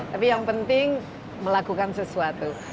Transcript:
tapi yang penting melakukan sesuatu